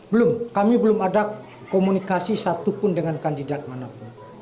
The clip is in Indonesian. belum kami belum ada komunikasi satupun dengan kandidat manapun